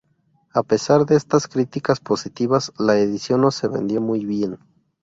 A pesar de estas críticas positivas, la edición no se vendió muy bien.